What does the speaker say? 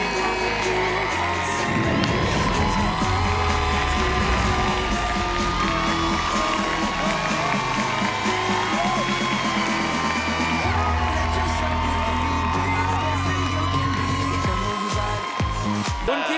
กลับมาเวลาที่